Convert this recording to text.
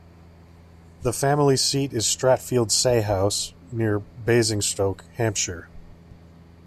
The family seat is Stratfield Saye House, near Basingstoke, Hampshire.